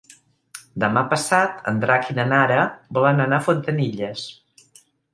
Demà passat en Drac i na Nara volen anar a Fontanilles.